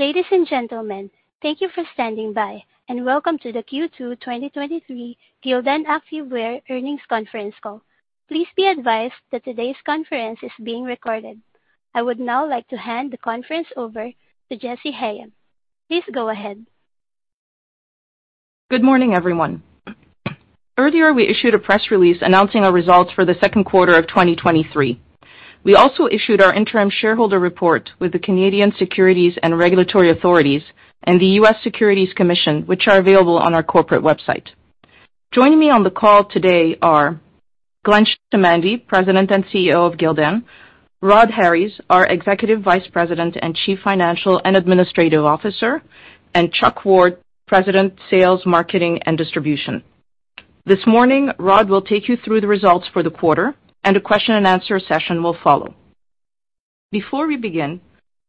Ladies and gentlemen, thank you for standing by and Welcome to the Q2 2023 Gildan Activewear Earnings Conference Call. Please be advised that today's conference is being recorded. I would now like to hand the conference over to Jessy Hayem. Please go ahead. Good morning, everyone. Earlier, we issued a press release announcing our results for the Q2 of 2023. We also issued our interim shareholder report with the Canadian Securities and Regulatory Authorities and the U.S. Securities Commission, which are available on our corporate website. Joining me on the call today are Glenn Chamandy, President and CEO of Gildan; Rod Harries, our Executive Vice President and Chief Financial and Administrative Officer; and Chuck Ward, President, Sales, Marketing and Distribution. This morning, Rod will take you through the results for the quarter, and a question-and-answer session will follow. Before we begin,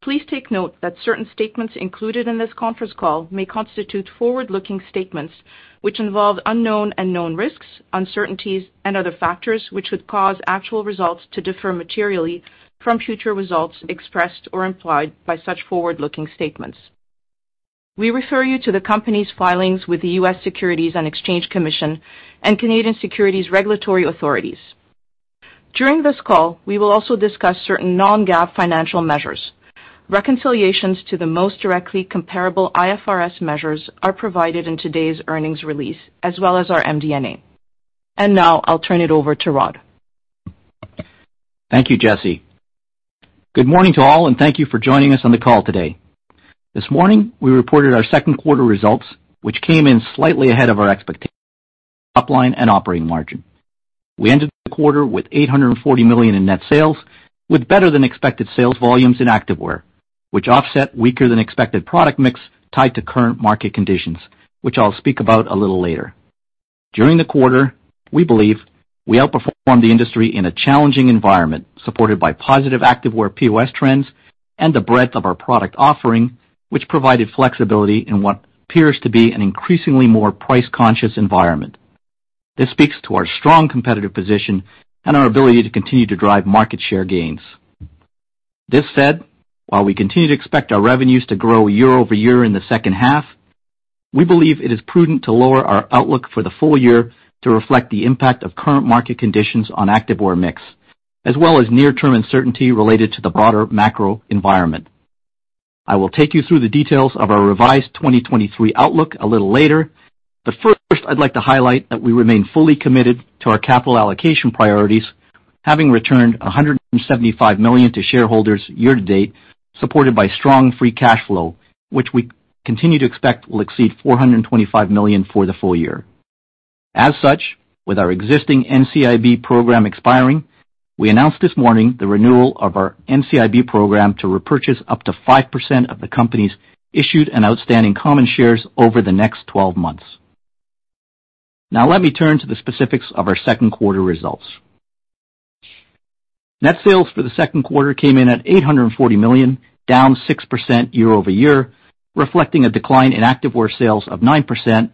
please take note that certain statements included in this conference call may constitute forward-looking statements, which involve unknown and known risks, uncertainties, and other factors, which would cause actual results to differ materially from future results expressed or implied by such forward-looking statements. We refer you to the company's filings with the U.S. Securities and Exchange Commission and Canadian securities regulatory authorities. During this call, we will also discuss certain non-GAAP financial measures. Reconciliations to the most directly comparable IFRS measures are provided in today's earnings release, as well as our MD&A. Now I'll turn it over to Rod. Thank you, Jesse. Good morning to all, and thank you for joining us on the call today. This morning, we reported our Q2 results, which came in slightly ahead of our expectations, top line and operating margin. We ended the quarter with $840 million in net sales, with better-than-expected sales volumes in activewear, which offset weaker than expected product mix tied to current market conditions, which I'll speak about a little later. During the quarter, we believe we outperformed the industry in a challenging environment, supported by positive activewear POS trends and the breadth of our product offering, which provided flexibility in what appears to be an increasingly more price-conscious environment. This speaks to our strong competitive position and our ability to continue to drive market share gains. This said, while we continue to expect our revenues to grow year-over-year in the second half, we believe it is prudent to lower our outlook for the full year to reflect the impact of current market conditions on activewear mix, as well as near-term uncertainty related to the broader macro environment. I will take you through the details of our revised 2023 outlook a little later, but first, I'd like to highlight that we remain fully committed to our capital allocation priorities, having returned $175 million to shareholders year-to-date, supported by strong free cash flow, which we continue to expect will exceed $425 million for the full year. As such, with our existing NCIB program expiring, we announced this morning the renewal of our NCIB program to repurchase up to 5% of the company's issued and outstanding common shares over the next 12 months. Let me turn to the specifics of our Q2 results. Net sales for the Q2 came in at $840 million, down 6% year-over-year, reflecting a decline in Activewear sales of 9%,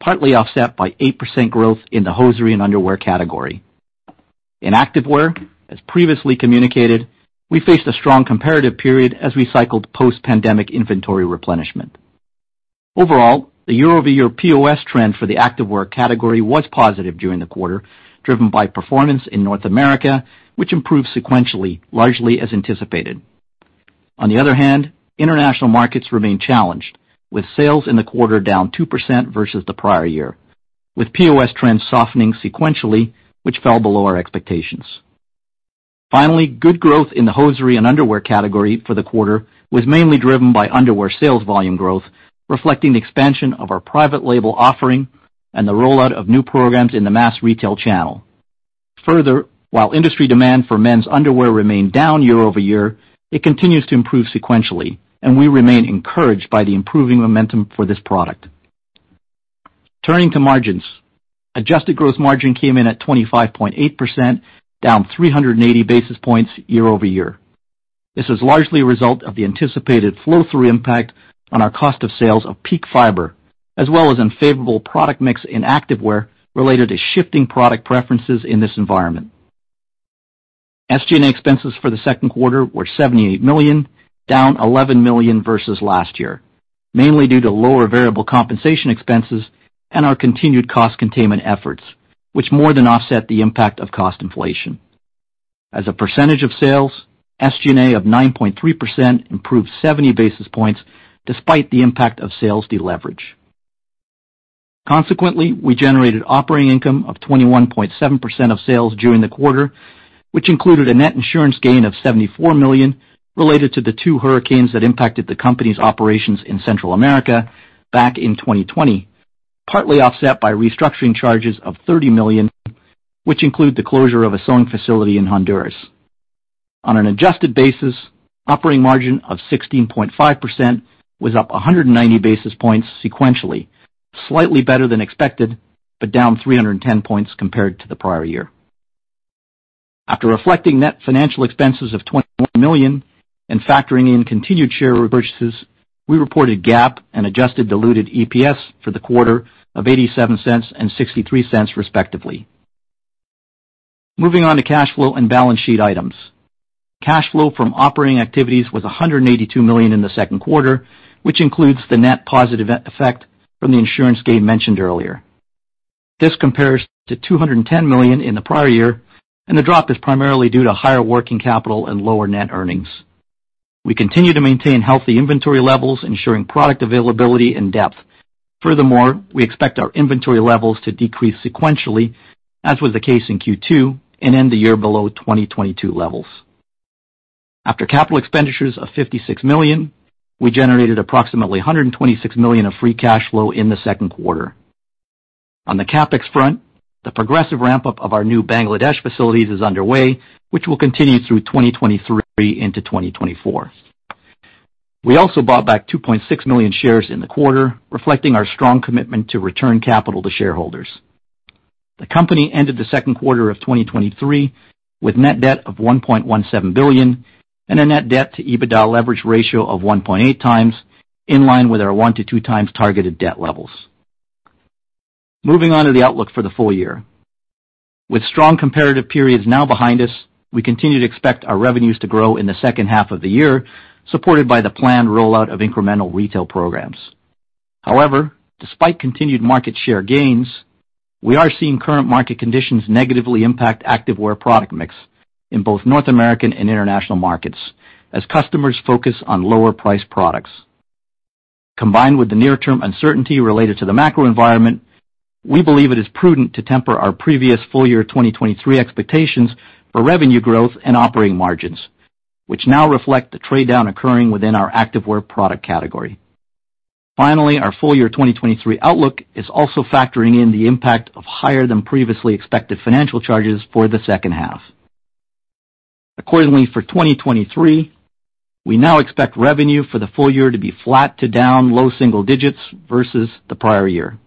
partly offset by 8% growth in the hosiery and underwear category. In Activewear, as previously communicated, we faced a strong comparative period as we cycled post-pandemic inventory replenishment. Overall, the year-over-year POS trend for the Activewear category was positive during the quarter, driven by performance in North America, which improved sequentially, largely as anticipated. International markets remain challenged, with sales in the quarter down 2% versus the prior year, with POS trends softening sequentially, which fell below our expectations. Finally, good growth in the hosiery and underwear category for the quarter was mainly driven by underwear sales volume growth, reflecting the expansion of our private label offering and the rollout of new programs in the mass retail channel. Further, while industry demand for men's underwear remained down year-over-year, it continues to improve sequentially, and we remain encouraged by the improving momentum for this product. Turning to margins. Adjusted gross margin came in at 25.8%, down 380 basis points year-over-year. This is largely a result of the anticipated flow-through impact on our cost of sales of peak fiber, as well as unfavorable product mix in activewear related to shifting product preferences in this environment. SG&A expenses for the second quarter were $78 million, down $11 million versus last year, mainly due to lower variable compensation expenses and our continued cost containment efforts, which more than offset the impact of cost inflation. As a percentage of sales, SG&A of 9.3% improved 70 basis points despite the impact of sales deleverage. Consequently, we generated operating income of 21.7% of sales during the quarter, which included a net insurance gain of $74 million related to the two hurricanes that impacted the company's operations in Central America back in 2020, partly offset by restructuring charges of $30 million, which include the closure of a sewing facility in Honduras. On an adjusted basis, operating margin of 16.5% was up 190 basis points sequentially, slightly better than expected. Down 310 points compared to the prior year. After reflecting net financial expenses of $21 million and factoring in continued share repurchases, we reported GAAP and adjusted diluted EPS for the quarter of $0.87 and $0.63, respectively. Moving on to cash flow and balance sheet items. Cash flow from operating activities was $182 million in the second quarter, which includes the net positive effect from the insurance gain mentioned earlier. This compares to $210 million in the prior year. The drop is primarily due to higher working capital and lower net earnings. We continue to maintain healthy inventory levels, ensuring product availability and depth. Furthermore, we expect our inventory levels to decrease sequentially, as was the case in Q2, and end the year below 2022 levels. After capital expenditures of $56 million, we generated approximately $126 million of free cash flow in the second quarter. On the CapEx front, the progressive ramp-up of our new Bangladesh facilities is underway, which will continue through 2023 into 2024. We also bought back 2.6 million shares in the quarter, reflecting our strong commitment to return capital to shareholders. The company ended the second quarter of 2023 with net debt of $1.17 billion and a net debt to EBITDA leverage ratio of 1.8 times, in line with our 1-2 times targeted debt levels. Moving on to the outlook for the full year. With strong comparative periods now behind us, we continue to expect our revenues to grow in the second half of the year, supported by the planned rollout of incremental retail programs. Despite continued market share gains, we are seeing current market conditions negatively impact activewear product mix in both North American and international markets, as customers focus on lower priced products. Combined with the near-term uncertainty related to the macro environment, we believe it is prudent to temper our previous full year 2023 expectations for revenue growth and operating margins, which now reflect the trade-down occurring within our Activewear product category. Finally, our full year 2023 outlook is also factoring in the impact of higher than previously expected financial charges for the second half. Accordingly, for 2023, we now expect revenue for the full year to be flat to down low single digits versus the prior year.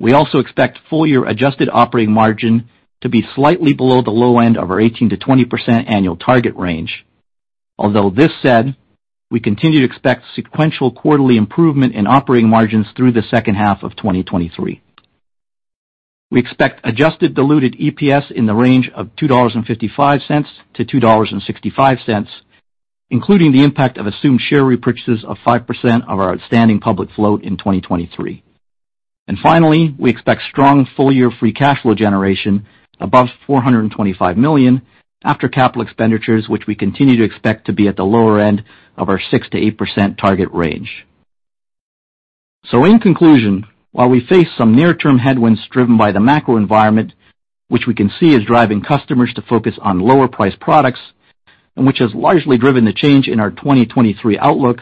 We also expect full year adjusted operating margin to be slightly below the low end of our 18%-20% annual target range. Although this said, we continue to expect sequential quarterly improvement in operating margins through the second half of 2023. We expect adjusted diluted EPS in the range of $2.55-$2.65, including the impact of assumed share repurchases of 5% of our outstanding public float in 2023. Finally, we expect strong full year free cash flow generation above $425 million after capital expenditures, which we continue to expect to be at the lower end of our 6%-8% target range. In conclusion, while we face some near-term headwinds driven by the macro environment, which we can see is driving customers to focus on lower priced products and which has largely driven the change in our 2023 outlook,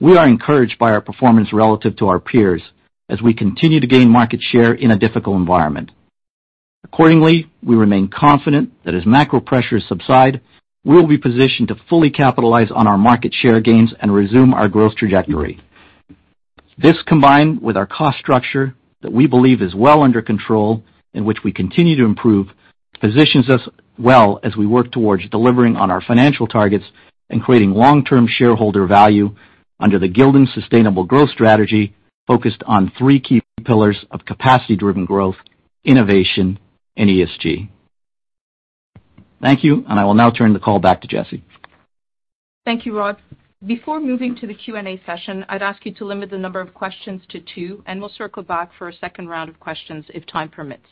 we are encouraged by our performance relative to our peers as we continue to gain market share in a difficult environment. Accordingly, we remain confident that as macro pressures subside, we will be positioned to fully capitalize on our market share gains and resume our growth trajectory. This, combined with our cost structure that we believe is well under control and which we continue to improve, positions us well as we work towards delivering on our financial targets and creating long-term shareholder value under the Gildan sustainable growth strategy, focused on three key pillars of capacity, driven growth, innovation, and ESG. Thank you. I will now turn the call back to Jesse. Thank you, Rod. Before moving to the Q&A session, I'd ask you to limit the number of questions to two, and we'll circle back for a second round of questions if time permits.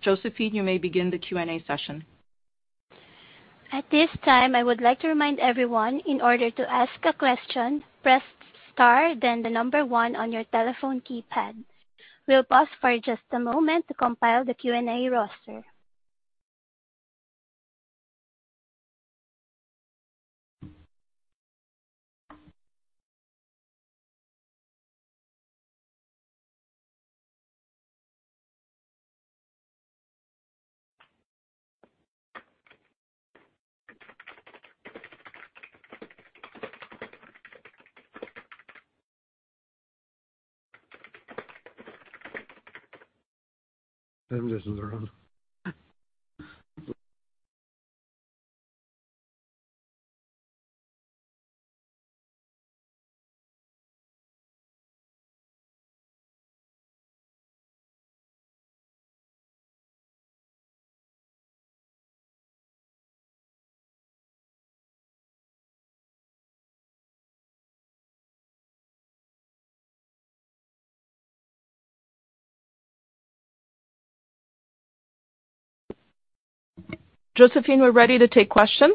Josephine, you may begin the Q&A session. At this time, I would like to remind everyone, in order to ask a question, press star, then the number 1 on your telephone keypad. We'll pause for just a moment to compile the Q&A roster. Josephine, we're ready to take questions.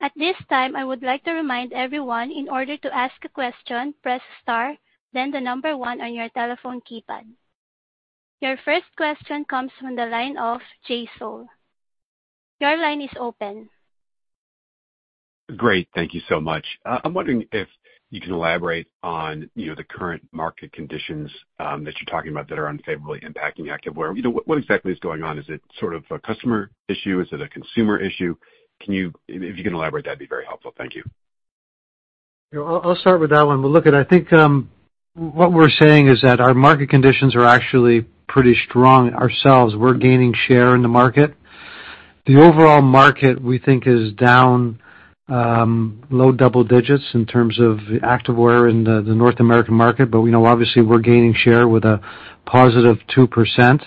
At this time, I would like to remind everyone, in order to ask a question, press star, then the number 1 on your telephone keypad. Your first question comes from the line of Jay Sole. Your line is open. Great. Thank you so much. I'm wondering if you can elaborate on, you know, the current market conditions that you're talking about that are unfavorably impacting Activewear. You know, what, what exactly is going on? Is it sort of a customer issue? Is it a consumer issue? If you can elaborate, that'd be very helpful. Thank you. Yeah, I'll, I'll start with that one. Look, and I think, what we're saying is that our market conditions are actually pretty strong ourselves. We're gaining share in the market. The overall market, we think, is down, low double digits in terms of the Activewear in the North American market. We know obviously, we're gaining share with a positive 2%.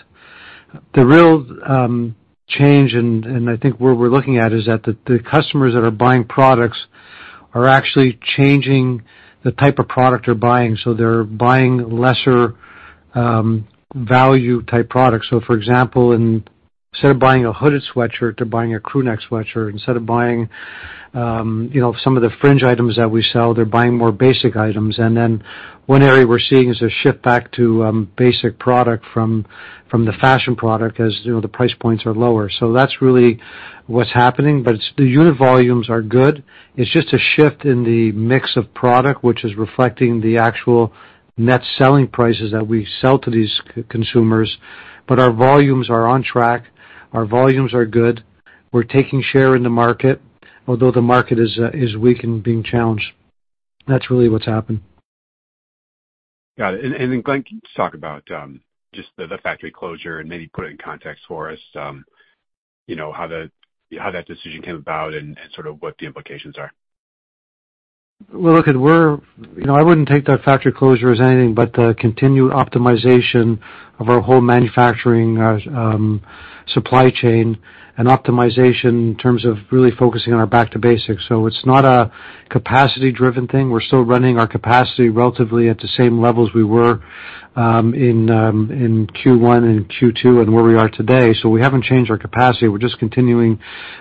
The real change, and, and I think where we're looking at, is that the customers that are buying products are actually changing the type of product they're buying. They're buying lesser, value-type products. For example, instead of buying a hooded sweatshirt, they're buying a crewneck sweatshirt. Instead of buying, you know, some of the fringe items that we sell, they're buying more basic items. One area we're seeing is a shift back to basic product from, from the fashion product, as, you know, the price points are lower. That's really what's happening. It's, the unit volumes are good. It's just a shift in the mix of product, which is reflecting the actual net selling prices that we sell to these consumers. Our volumes are on track. Our volumes are good. We're taking share in the market, although the market is weak and being challenged. That's really what's happened. Got it. Then, Glenn, can you just talk about, just the, the factory closure and maybe put it in context for us? You know, how the, how that decision came about and, and sort of what the implications are? Well, look, you know, I wouldn't take that factory closure as anything but the continued optimization of our whole manufacturing supply chain, and optimization in terms of really focusing on our back to basics. It's not a capacity-driven thing. We're still running our capacity relatively at the same levels we were in Q1 and Q2 and where we are today. We haven't changed our capacity. We're just continuing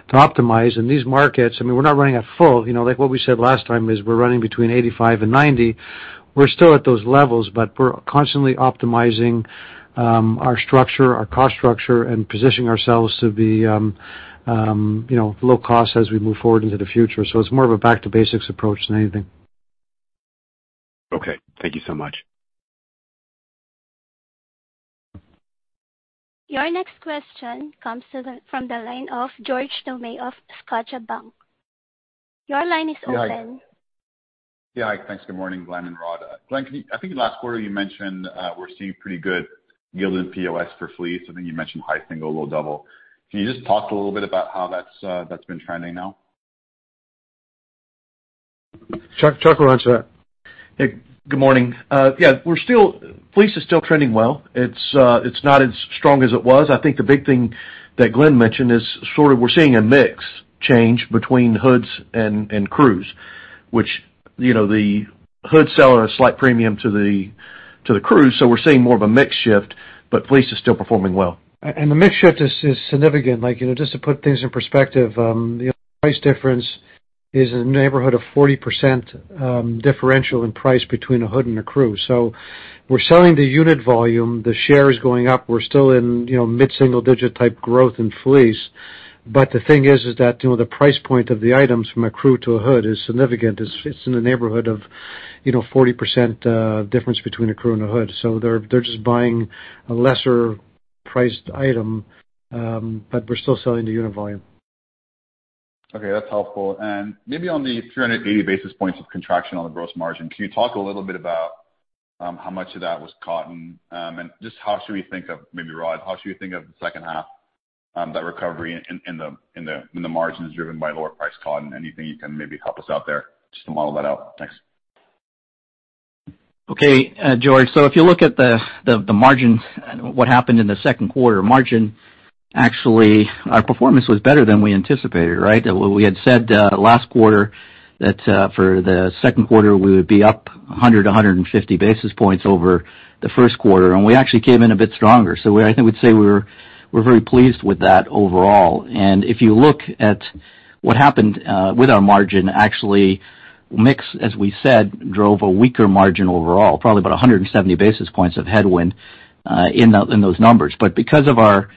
to optimize. In these markets, I mean, we're not running at full. You know, like what we said last time is we're running between 85 and 90. We're still at those levels, but we're constantly optimizing our structure, our cost structure, and positioning ourselves to be, you know, low cost as we move forward into the future. It's more of a back to basics approach than anything. Okay, thank you so much. Your next question comes from the line of George Doumet of Scotiabank. Your line is open. Yeah, hi. Thanks. Good morning, Glenn and Rod. Glenn, I think last quarter you mentioned, we're seeing pretty good yield in POS for fleece. I think you mentioned high single, low double. Can you just talk a little bit about how that's that's been trending now? Chuck, Chuck will answer that. Hey, good morning. Yeah, fleece is still trending well. It's not as strong as it was. I think the big thing that Glenn mentioned is sort of we're seeing a mix change between hoods and crews, which, you know, the hoods sell at a slight premium to the crews, so we're seeing more of a mix shift, but fleece is still performing well. The mix shift is significant. Like, you know, just to put things in perspective, the price difference is in the neighborhood of 40% differential in price between a hood and a crew. We're selling the unit volume. The share is going up. We're still in, you know, mid-single digit type growth in fleece. The thing is, you know, the price point of the items from a crew to a hood is significant. It's in the neighborhood of, you know, 40% difference between a crew and a hood. They're just buying a lesser priced item, but we're still selling the unit volume. Okay, that's helpful. Maybe on the 380 basis points of contraction on the gross margin, can you talk a little bit about how much of that was cotton? Just how should we think of maybe, Rod, how should we think of the second half, that recovery in the margins driven by lower priced cotton? Anything you can maybe help us out there just to model that out? Thanks. Okay, George. If you look at the margin, what happened in the Q2 margin, actually, our performance was better than we anticipated, right? We had said last quarter that for the Q2, we would be up 100-150 basis points over the Q1, and we actually came in a bit stronger. I think we'd say we're very pleased with that overall. If you look at what happened with our margin, actually, mix, as we said, drove a weaker margin overall, probably about 170 basis points of headwind in those numbers. Because of our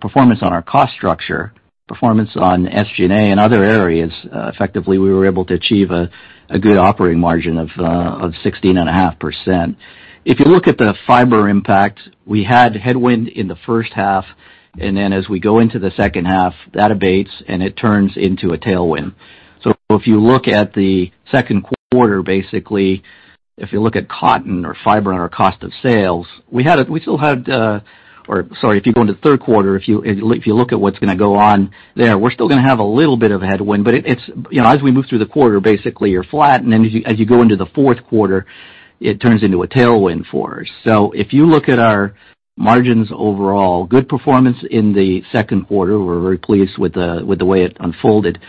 performance on our cost structure, performance on SG&A and other areas, effectively, we were able to achieve a good operating margin of 16.5%. You look at the fiber impact, we had headwind in the first half, and then as we go into the second half, that abates, and it turns into a tailwind. You look at the Q2, basically, if you look at cotton or fiber on our cost of sales, we still had. Sorry, if you go into the Q3, if you look at what's gonna go on there, we're still gonna have a little bit of a headwind, but it's, you know, as we move through the quarter, basically, you're flat, and then as you go into the Q4, it turns into a tailwind for us. You look at our margins overall, good performance in the Q2. We're very pleased with the way it unfolded.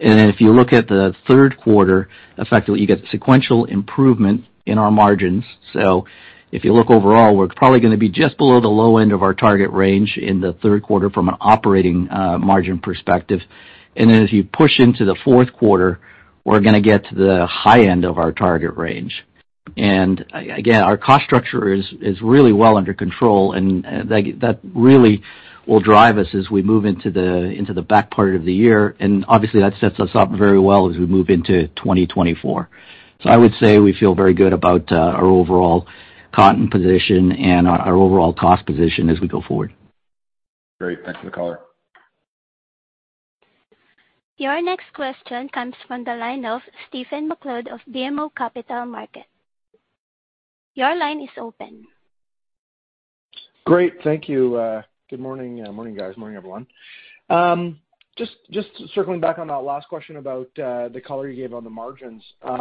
If you look at the Q3, effectively, you get sequential improvement in our margins. If you look overall, we're probably gonna be just below the low end of our target range in the Q3 from an operating margin perspective. As you push into the Q4, we're gonna get to the high end of our target range. Again, our cost structure is really well under control, and that really will drive us as we move into the back part of the year. Obviously, that sets us up very well as we move into 2024. I would say we feel very good about our overall cotton position and our overall cost position as we go forward. Great, thanks for the color. Your next question comes from the line of Stephen MacLeod of BMO Capital Markets. Your line is open. Great, thank you. Good morning. Morning, guys. Morning, everyone. Just, just circling back on that last question about the color you gave on the margins. I,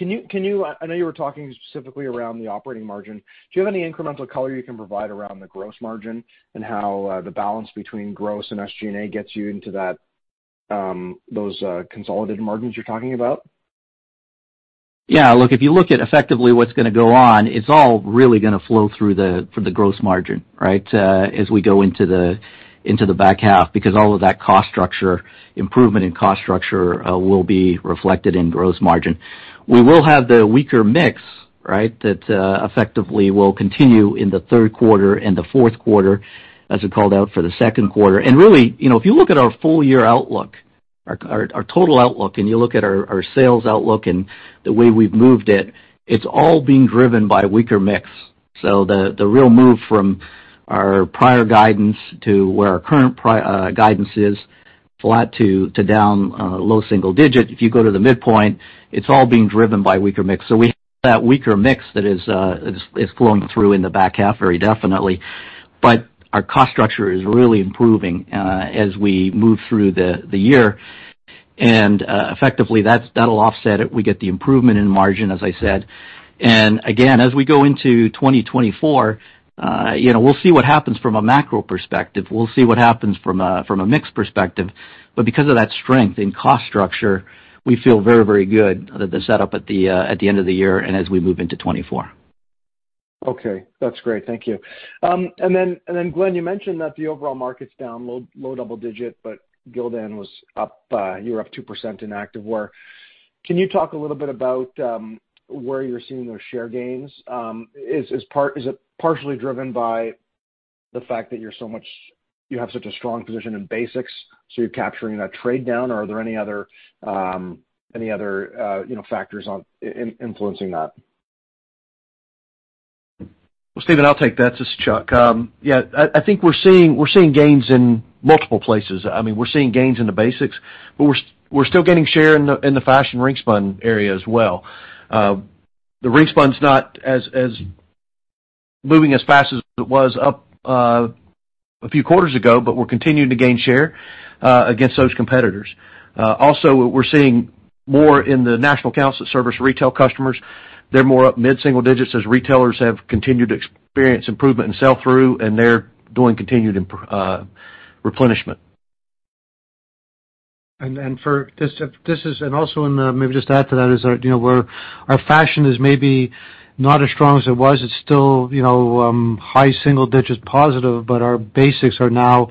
I know you were talking specifically around the operating margin. Do you have any incremental color you can provide around the gross margin and how the balance between gross and SG&A gets you into that, those consolidated margins you're talking about? Yeah, look, if you look at effectively what's gonna go on, it's all really gonna flow through the, through the gross margin, right? As we go into the, into the back half, because all of that cost structure, improvement in cost structure, will be reflected in gross margin. We will have the weaker mix, right? That effectively will continue in the Q3 and the Q4, as we called out for the Q2. Really, you know, if you look at our full year outlook, our, our, our total outlook, and you look at our, our sales outlook and the way we've moved it, it's all being driven by weaker mix. The, the real move from our prior guidance to where our current guidance is, flat to, to down, low single digit. If you go to the midpoint, it's all being driven by weaker mix. We have that weaker mix that is flowing through in the back half, very definitely. Our cost structure is really improving as we move through the year. Effectively, that's, that'll offset it. We get the improvement in margin, as I said. Again, as we go into 2024, you know, we'll see what happens from a macro perspective. We'll see what happens from a mix perspective. Because of that strength in cost structure, we feel very, very good that the setup at the end of the year and as we move into 2024. Okay. That's great. Thank you. Glenn, you mentioned that the overall market's down low, low double digit, but Gildan was up, you were up 2% in activewear. Can you talk a little bit about where you're seeing those share gains? Is it partially driven by the fact that you have such a strong position in basics, so you're capturing that trade down, or are there any other, you know, factors on, in, in influencing that? Well, Stephen, I'll take that. This is Chuck. Yeah, I, I think we're seeing, we're seeing gains in multiple places. I mean, we're seeing gains in the basics, but we're still gaining share in the fashion ring spun area as well. The ring spun's not as, as, moving as fast as it was up a few quarters ago, but we're continuing to gain share against those competitors. Also, we're seeing more in the national accounts that service retail customers. They're more up mid-single digits as retailers have continued to experience improvement in sell-through, and they're doing continued replenishment. And for this, this is, and also in, maybe just to add to that, is our, you know, where our fashion is maybe not as strong as it was. It's still, you know, high single digits positive, but our basics are now,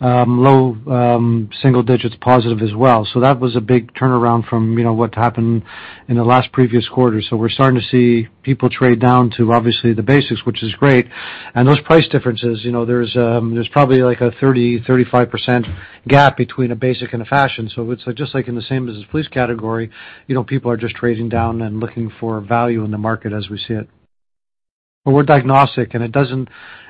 low, single digits positive as well. That was a big turnaround from, you know, what happened in the last previous quarter. We're starting to see people trade down to obviously the basics, which is great. Those price differences, you know, there's, there's probably like a 30-35% gap between a basic and a fashion. It's just like in the same business police category, you know, people are just trading down and looking for value in the market as we see it. We're diagnostic, and it doesn't...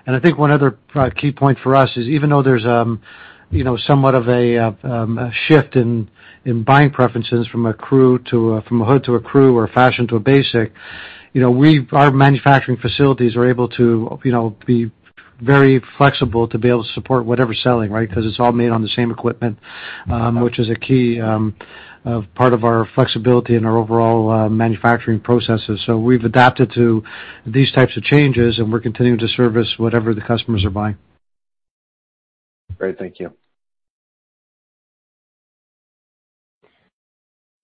I think one other key point for us is, even though there's, you know, somewhat of a shift in buying preferences from a crew to a, from a hood to a crew or a fashion to a basic, you know, our manufacturing facilities are able to, you know, be very flexible to be able to support whatever's selling, right? Because it's all made on the same equipment, which is a key part of our flexibility and our overall manufacturing processes. We've adapted to these types of changes, and we're continuing to service whatever the customers are buying. Great. Thank you.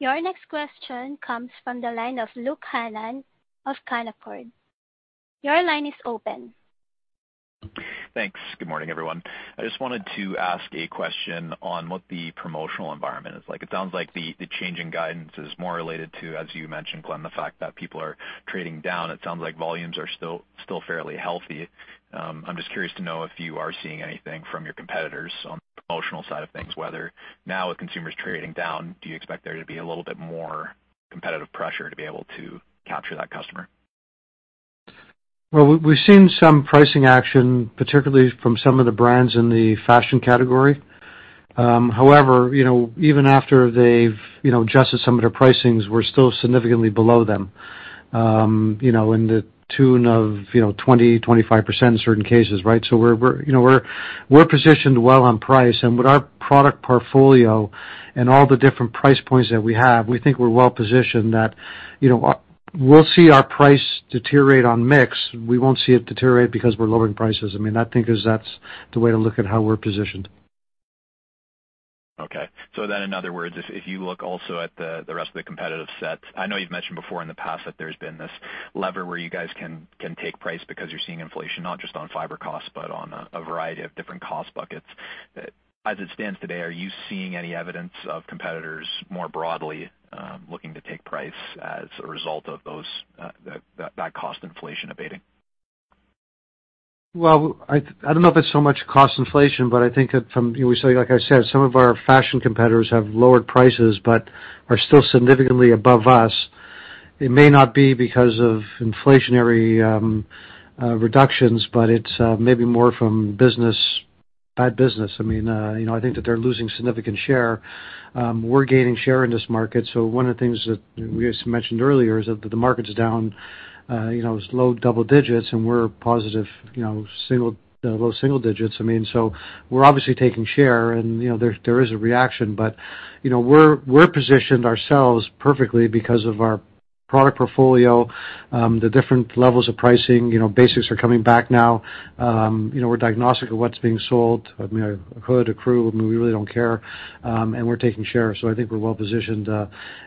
Your next question comes from the line of Luke Hannan of Canaccord. Your line is open. Thanks. Good morning, everyone. I just wanted to ask a question on what the promotional environment is like. It sounds like the, the change in guidance is more related to, as you mentioned, Glenn, the fact that people are trading down. It sounds like volumes are still, still fairly healthy. I'm just curious to know if you are seeing anything from your competitors on the promotional side of things, whether now, with consumers trading down, do you expect there to be a little bit more competitive pressure to be able to capture that customer? Well, we've, we've seen some pricing action, particularly from some of the brands in the fashion category. However, you know, even after they've, you know, adjusted some of their pricings, we're still significantly below them, you know, in the tune of, you know, 20-25% in certain cases, right? We're, we're, you know, we're, we're positioned well on price. With our product portfolio and all the different price points that we have, we think we're well positioned that, you know, we'll see our price deteriorate on mix. We won't see it deteriorate because we're lowering prices. I mean, I think is that's the way to look at how we're positioned. In other words, if, if you look also at the, the rest of the competitive set, I know you've mentioned before in the past that there's been this lever where you guys can, can take price because you're seeing inflation, not just on fiber costs, but on a, a variety of different cost buckets. As it stands today, are you seeing any evidence of competitors more broadly, looking to take price as a result of those, that, that cost inflation abating? Well, I, I don't know if it's so much cost inflation, but I think that from, you know, like I said, some of our fashion competitors have lowered prices but are still significantly above us. It may not be because of inflationary reductions, but it's maybe more from business, bad business. I mean, you know, I think that they're losing significant share. We're gaining share in this market. One of the things that we just mentioned earlier is that the market's down, you know, it's low double digits, and we're positive, you know, single, low single digits. I mean, so we're obviously taking share, and, you know, there, there is a reaction. You know, we're, we're positioned ourselves perfectly because of our product portfolio, the different levels of pricing. You know, basics are coming back now. You know, we're diagnostic of what's being sold. I mean, a hood, a crew, I mean, we really don't care, and we're taking share. I think we're well positioned.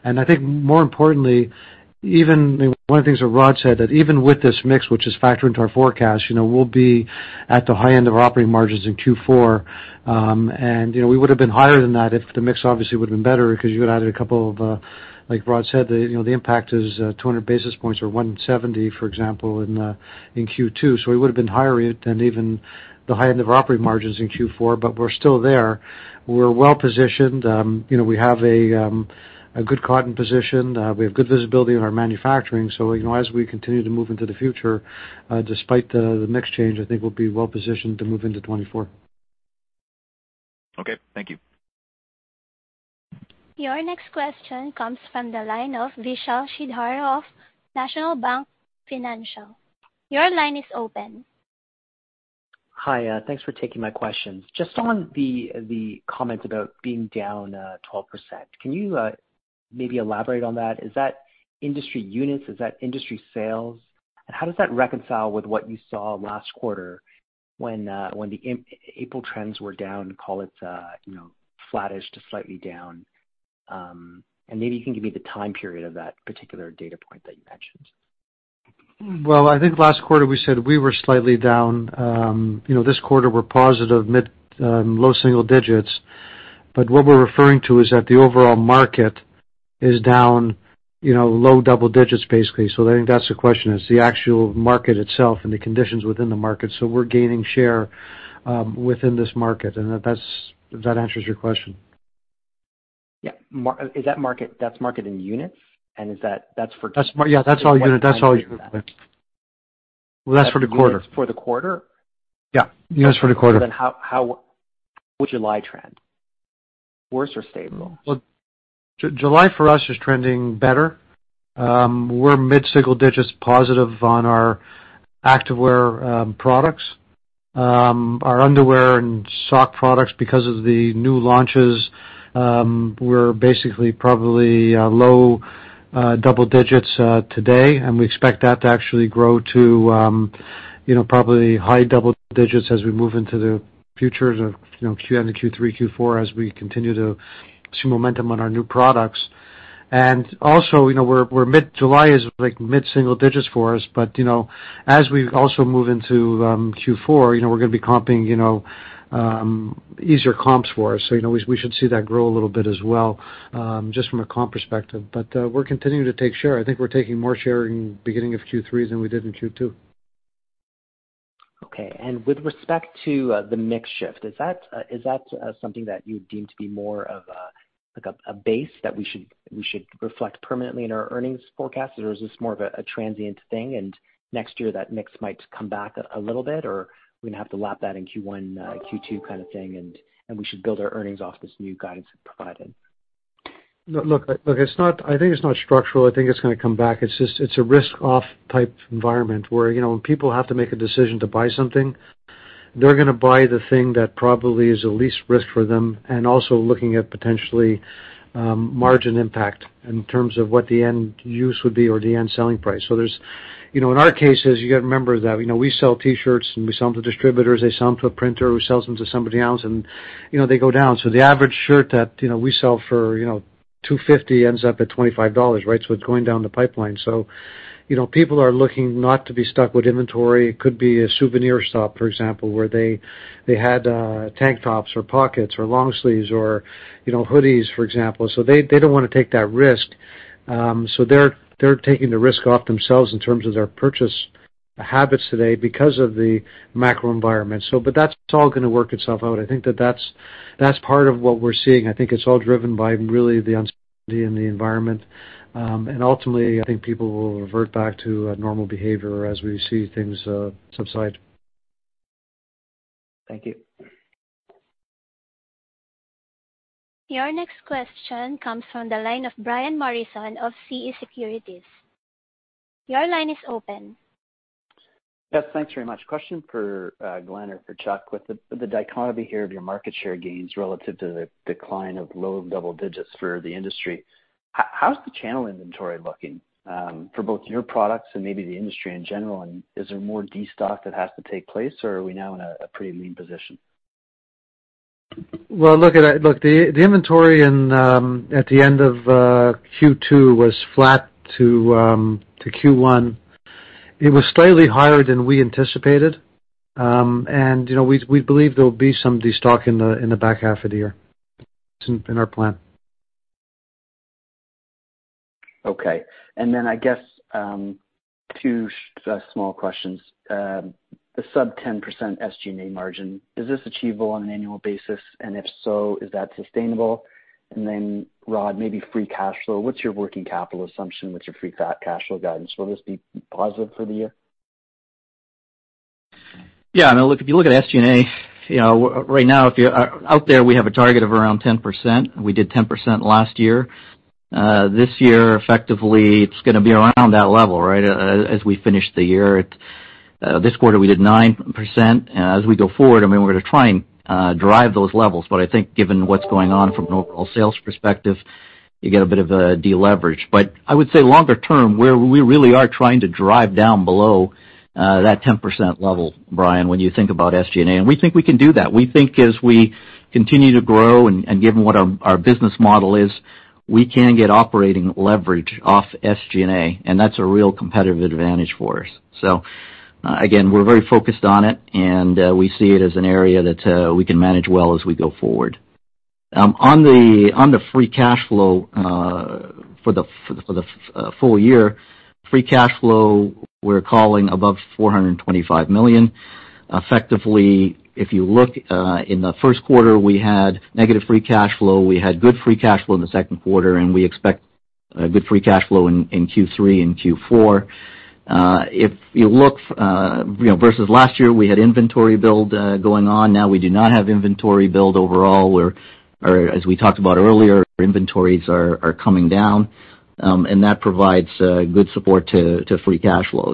I think more importantly, even one of the things that Rod said, that even with this mix, which is factored into our forecast, you know, we'll be at the high end of operating margins in Q4. You know, we would have been higher than that if the mix obviously would have been better because you would have added a couple of, like Rod said, you know, the impact is 200 basis points or 170, for example, in Q2. We would have been higher than even the high end of operating margins in Q4, but we're still there. We're well positioned. You know, we have a, a good cotton position. We have good visibility in our manufacturing. You know, as we continue to move into the future, despite the, the mix change, I think we'll be well positioned to move into 2024. Okay, thank you. Your next question comes from the line of Vishal Shridhar of National Bank Financial. Your line is open. Hi, thanks for taking my questions. Just on the comments about being down 12%. Can you maybe elaborate on that? Is that industry units? Is that industry sales? How does that reconcile with what you saw last quarter when the April trends were down, call it, you know, flattish to slightly down? Maybe you can give me the time period of that particular data point that you mentioned. Well, I think last quarter we said we were slightly down. You know, this quarter we're positive mid, low single digits. What we're referring to is that the overall market is down, you know, low double digits, basically. I think that's the question, is the actual market itself and the conditions within the market. We're gaining share, within this market, and that's, if that answers your question. Yeah. Is that market, that's market in units? Is that, that's for- Yeah, that's all unit. That's all units. units. Well, that's for the quarter. For the quarter? Yeah, units for the quarter. How, how would July trend? Worse or stable? Well, July for us is trending better. We're mid-single digits positive on our Activewear products. Our underwear and sock products, because of the new launches, we're basically probably low double digits today, and we expect that to actually grow to, you know, probably high double digits as we move into the future of, you know, Q3, Q4, as we continue to see momentum on our new products. Also, you know, July is, like, mid-single digits for us. You know, as we also move into Q4, you know, we're gonna be comping, you know, easier comps for us. You know, we should see that grow a little bit as well, just from a comp perspective. We're continuing to take share. I think we're taking more share in beginning of Q3 than we did in Q2. Okay. with respect to, the mix shift, is that something that you deem to be more of a, like, a base that we should, we should reflect permanently in our earnings forecast? Or is this more of a transient thing, and next year that mix might come back a little bit, or we're gonna have to lap that in Q1, Q2 kind of thing, and we should build our earnings off this new guidance you provided? No, look, look, I think it's not structural. I think it's gonna come back. It's just, it's a risk-off type environment, where, you know, when people have to make a decision to buy something, they're gonna buy the thing that probably is the least risk for them, and also looking at potentially, margin impact in terms of what the end use would be or the end selling price. There's... You know, in our cases, you gotta remember that, you know, we sell T-shirts, and we sell them to distributors, they sell them to a printer, who sells them to somebody else, and, you know, they go down. The average shirt that, you know, we sell for, you know, $2.50 ends up at $25, right? It's going down the pipeline. You know, people are looking not to be stuck with inventory. It could be a souvenir shop, for example, where they, they had tank tops or pockets or long sleeves or, you know, hoodies, for example. They, they don't wanna take that risk. They're, they're taking the risk off themselves in terms of their purchase habits today because of the macro environment. That's all gonna work itself out. I think that that's, that's part of what we're seeing. I think it's all driven by really the uncertainty in the environment. Ultimately, I think people will revert back to a normal behavior as we see things subside. Thank you. Your next question comes from the line of Brian Morrison of TD Securities. Your line is open. Yes, thanks very much. Question for Glenn or for Chuck. With the dichotomy here of your market share gains relative to the decline of low double digits for the industry, how's the channel inventory looking for both your products and maybe the industry in general? Is there more destock that has to take place, or are we now in a pretty lean position? Well, look at that. Look, the inventory in at the end of Q2 was flat to Q1. It was slightly higher than we anticipated. You know, we believe there will be some destock in the back half of the year. It's in our plan. Okay. I guess, two small questions. The sub 10% SG&A margin, is this achievable on an annual basis? If so, is that sustainable? Rod, maybe free cash flow. What's your working capital assumption with your free ca- cash flow guidance? Will this be positive for the year? Yeah, now, look, if you look at SG&A, you know, right now, if you are out there, we have a target of around 10%. We did 10% last year. This year, effectively, it's gonna be around that level, right? As we finish the year. This quarter, we did 9%. As we go forward, I mean, we're gonna try and drive those levels, but I think given what's going on from an overall sales perspective, you get a bit of a deleverage. I would say longer term, where we really are trying to drive down below that 10% level, Brian, when you think about SG&A, and we think we can do that. We think as we continue to grow and, and given what our, our business model is, we can get operating leverage off SG&A, and that's a real competitive advantage for us. Again, we're very focused on it, and we see it as an area that we can manage well as we go forward. On the, on the free cash flow, for the, for the, full year, free cash flow, we're calling above $425 million. Effectively, if you look, in the Q1, we had negative free cash flow. We had good free cash flow in the Q2, and we expect good free cash flow in, in Q3 and Q4. If you look, you know, versus last year, we had inventory build, going on. Now, we do not have inventory build overall, where... As we talked about earlier, inventories are, are coming down, and that provides good support to, to free cash flow.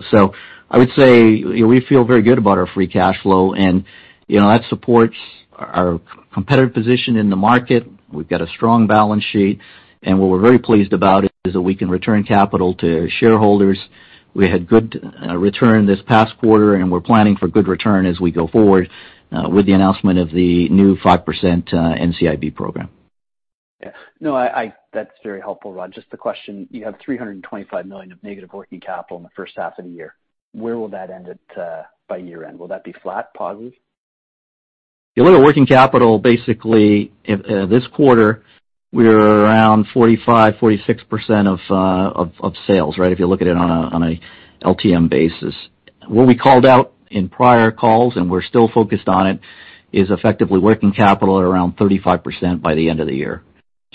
I would say, you know, we feel very good about our free cash flow, and, you know, that supports our, our competitive position in the market. We've got a strong balance sheet, and what we're very pleased about is that we can return capital to shareholders. We had good return this past quarter, and we're planning for good return as we go forward with the announcement of the new 5% NCIB program. Yeah. No, that's very helpful, Rod. Just the question, you have $325 million of negative working capital in the first half of the year. Where will that end at, by year end? Will that be flat, positive? If you look at working capital, basically, if this quarter, we're around 45%-46% of sales, right? If you look at it on a, on a LTM basis. What we called out in prior calls, and we're still focused on it, is effectively working capital at around 35% by the end of the year.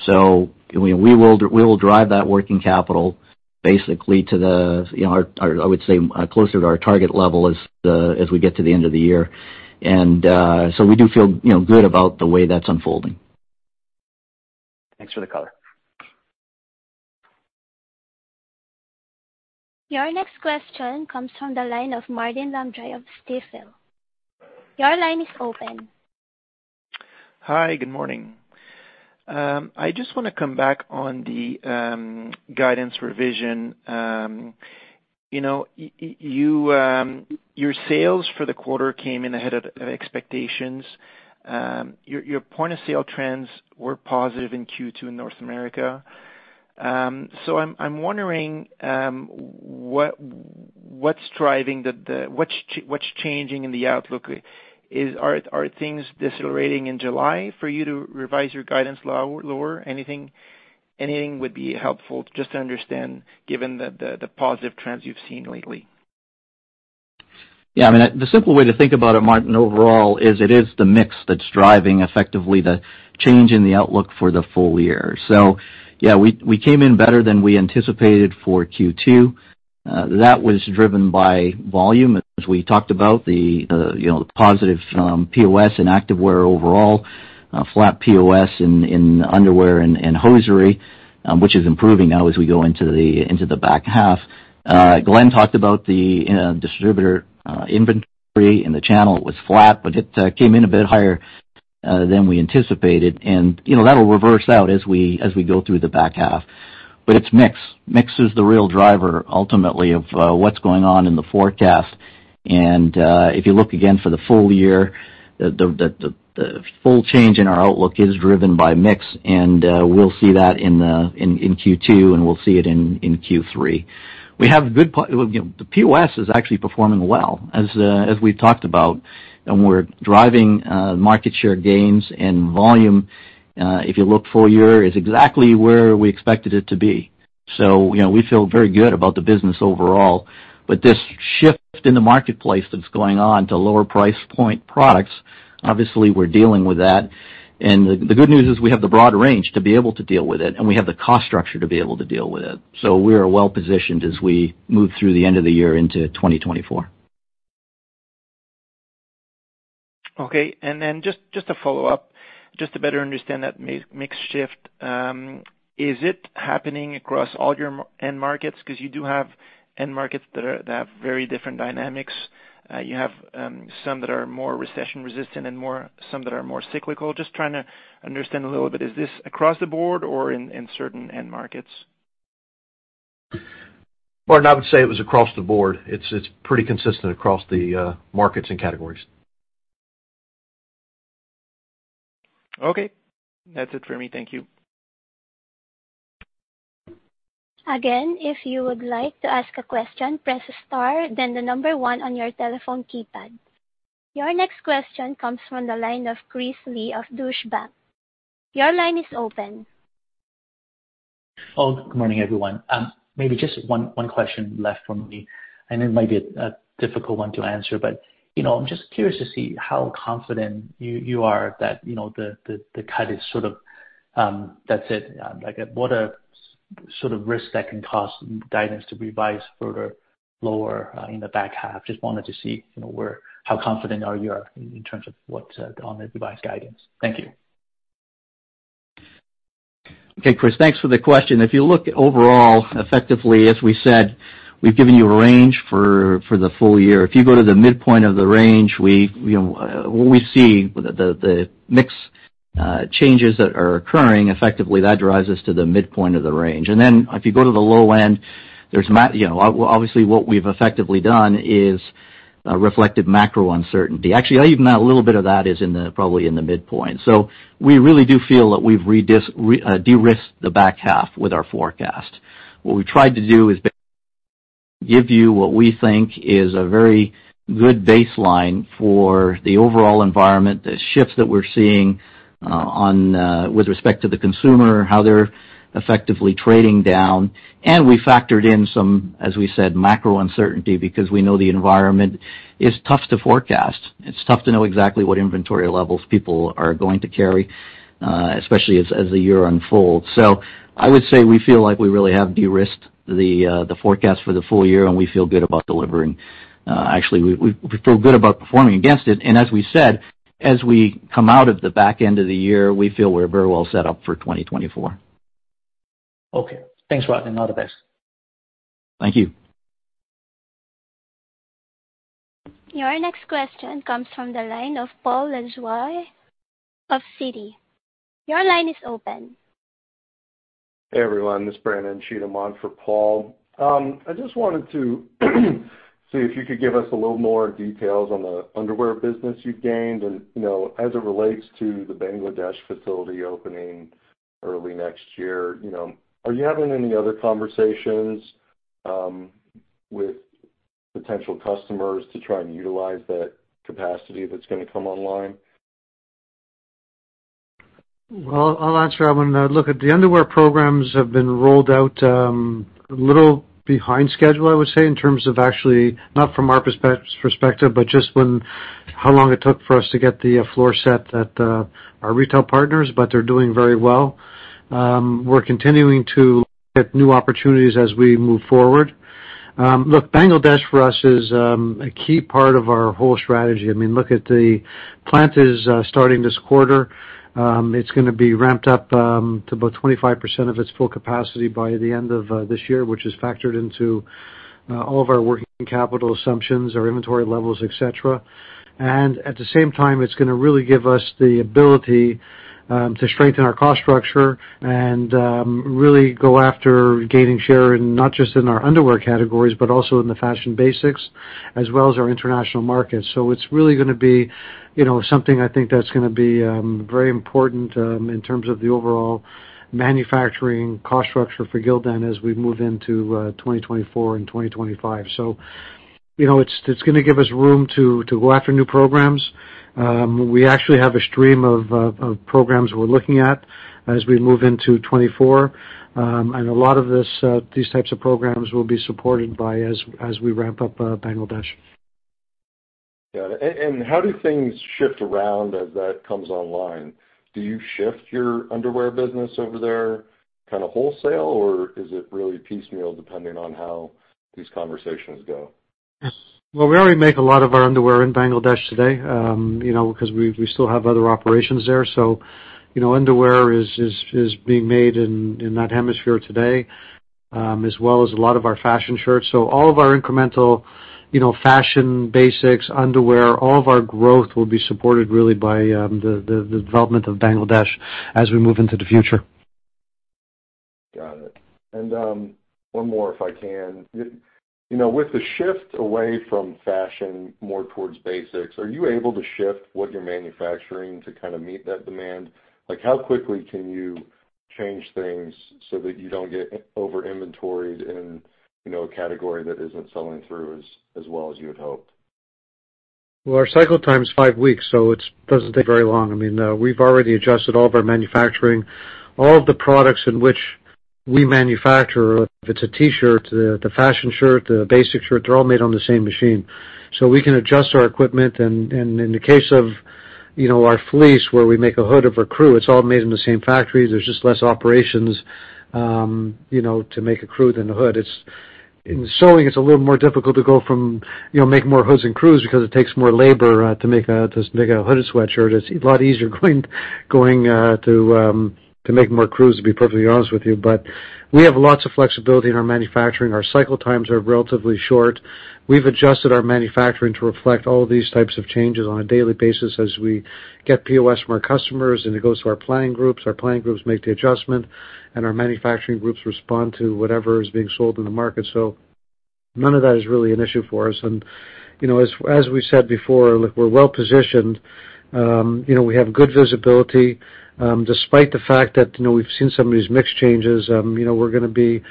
We will drive that working capital basically to the, you know, our, our, I would say, closer to our target level as we get to the end of the year. So we do feel, you know, good about the way that's unfolding. Thanks for the color. Your next question comes from the line of Martin Landry of Stifel. Your line is open. Hi, good morning. I just wanna come back on the guidance revision. You know, you, your sales for the quarter came in ahead of expectations. Your, your point of sale trends were positive in Q2 in North America. I'm, I'm wondering what, what's driving the... What's changing in the outlook? Are, are things decelerating in July for you to revise your guidance lower? Anything, anything would be helpful just to understand given the, the, the positive trends you've seen lately. Yeah, I mean, the simple way to think about it, Martin, overall, is it is the mix that's driving effectively the change in the outlook for the full year. Yeah, we, we came in better than we anticipated for Q2. That was driven by volume, as we talked about, the, you know, positive POS and Activewear overall, flat POS in, in Underwear and, and hosiery, which is improving now as we go into the, into the back half. Glenn talked about the distributor inventory, and the channel was flat, but it came in a bit higher than we anticipated. You know, that'll reverse out as we, as we go through the back half. It's mix. Mix is the real driver, ultimately, of what's going on in the forecast. If you look again for the full year, the full change in our outlook is driven by mix, we'll see that in Q2, and we'll see it in Q3. Well, you know, the POS is actually performing well, as we've talked about, and we're driving market share gains and volume. If you look full year, it's exactly where we expected it to be. You know, we feel very good about the business overall. This shift in the marketplace that's going on to lower price point products, obviously, we're dealing with that. The, the good news is we have the broad range to be able to deal with it, and we have the cost structure to be able to deal with it. We are well positioned as we move through the end of the year into 2024. Okay, just, just to follow up, just to better understand that mix shift, is it happening across all your end markets? Because you do have end markets that are, that have very different dynamics. You have some that are more recession resistant and more, some that are more cyclical. Just trying to understand a little bit, is this across the board or in, in certain end markets? Martin, I would say it was across the board. It's, it's pretty consistent across the markets and categories. Okay. That's it for me. Thank you. If you would like to ask a question, press star, then one on your telephone keypad. Your next question comes from the line of Chris Lee of Deutsche Bank. Your line is open. Oh, good morning, everyone. Maybe just one, one question left from me, and it might be a, a difficult one to answer, but, you know, I'm just curious to see how confident you, you are that, you know, the, the, the cut is sort of, that's it. Like, what are sort of risks that can cause guidance to revise further lower in the back half? Just wanted to see, you know, where-- how confident are you are in terms of what's on the revised guidance. Thank you. Okay, Chris, thanks for the question. If you look overall, effectively, as we said, we've given you a range for, for the full year. If you go to the midpoint of the range, we, you know, what we see, the, the, the mix, changes that are occurring, effectively, that drives us to the midpoint of the range. If you go to the low end, there's you know, obviously, what we've effectively done is reflected macro uncertainty. Actually, even a little bit of that is in the, probably in the midpoint. We really do feel that we've de-risked the back half with our forecast. What we tried to do is give you what we think is a very good baseline for the overall environment, the shifts that we're seeing, on with respect to the consumer, how they're effectively trading down. We factored in some, as we said, macro uncertainty because we know the environment is tough to forecast. It's tough to know exactly what inventory levels people are going to carry, especially as, as the year unfolds. I would say we feel like we really have de-risked the forecast for the full year, and we feel good about delivering. Actually, we, we feel good about performing against it. As we said, as we come out of the back end of the year, we feel we're very well set up for 2024. Okay. Thanks, Rod, and all the best. Thank you. Your next question comes from the line of Paul Lejuez of Citi. Your line is open. Hey, everyone. This is Brandon Cheatham on for Paul. I just wanted to see if you could give us a little more details on the underwear business you've gained. You know, as it relates to the Bangladesh facility opening early next year, you know, are you having any other conversations with potential customers to try and utilize that capacity that's gonna come online? Well, I'll answer. I mean, look, the underwear programs have been rolled out, a little behind schedule, I would say, in terms of actually not from our perspective, but just when, how long it took for us to get the floor set at our retail partners, but they're doing very well. We're continuing to get new opportunities as we move forward. Look, Bangladesh for us is a key part of our whole strategy. I mean, look at the plant is starting this quarter. It's gonna be ramped up to about 25% of its full capacity by the end of this year, which is factored into all of our working capital assumptions, our inventory levels, et cetera. And at the same time, it's gonna really give us the ability, to strengthen our cost structure and, really go after gaining share, in not just in our underwear categories, but also in the fashion basics, as well as our international markets. It's really gonna be, you know, something I think that's gonna be, very important, in terms of the overall manufacturing cost structure for Gildan as we move into, 2024 and 2025. You know, it's, it's gonna give us room to, to go after new programs. We actually have a stream of, of programs we're looking at as we move into 2024. A lot of this, these types of programs will be supported by as, as we ramp up, Bangladesh. Got it. And how do things shift around as that comes online? Do you shift your underwear business over there kind of wholesale, or is it really piecemeal, depending on how these conversations go? we already make a lot of our underwear in Bangladesh today, you know, because we, we still have other operations there. you know, underwear is, is, is being made in, in that hemisphere today, as well as a lot of our fashion shirts. all of our incremental, you know, fashion, basics, underwear, all of our growth will be supported really by, the, the, the development of Bangladesh as we move into the future. Got it. One more, if I can: You know, with the shift away from fashion, more towards basics, are you able to shift what you're manufacturing to kind of meet that demand? Like, how quickly can you change things so that you don't get over-inventoried in, you know, a category that isn't selling through as, as well as you had hoped? Well, our cycle time is five weeks, so it's doesn't take very long. I mean, we've already adjusted all of our manufacturing. All of the products in which we manufacture, if it's a T-shirt, the fashion shirt, the basic shirt, they're all made on the same machine. We can adjust our equipment. In the case of, you know, our fleece, where we make a hood of a crew, it's all made in the same factory. There's just less operations, you know, to make a crew than a hood. In sewing, it's a little more difficult to go from, you know, making more hoods and crews because it takes more labor to make a hooded sweatshirt. It's a lot easier going to make more crews, to be perfectly honest with you. We have lots of flexibility in our manufacturing. Our cycle times are relatively short. We've adjusted our manufacturing to reflect all of these types of changes on a daily basis as we get POS from our customers, and it goes to our planning groups. Our planning groups make the adjustment, and our manufacturing groups respond to whatever is being sold in the market. None of that is really an issue for us. You know, as, as we said before, look, we're well positioned. You know, we have good visibility, despite the fact that, you know, we've seen some of these mix changes. You know, we're gonna be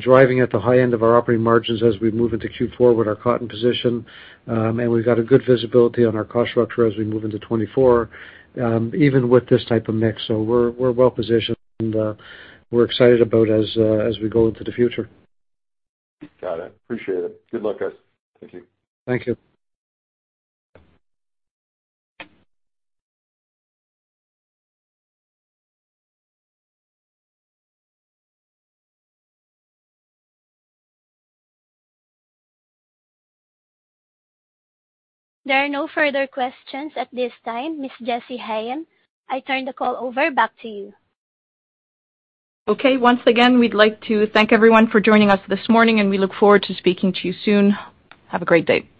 driving at the high end of our operating margins as we move into Q4 with our cotton position. We've got a good visibility on our cost structure as we move into 2024, even with this type of mix. We're, we're well positioned, and we're excited about as we go into the future. Got it. Appreciate it. Good luck, guys. Thank you. Thank you. There are no further questions at this time. Ms. Jesse Hayem, I turn the call over back to you. Okay. Once again, we'd like to thank everyone for joining us this morning, and we look forward to speaking to you soon. Have a great day.